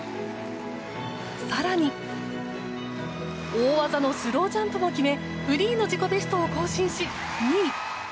更に大技のスロージャンプも決めフリーの自己ベストを更新し２位。